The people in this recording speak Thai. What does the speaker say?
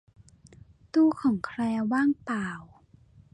ตู้ของแคลร์ว่างเปล่า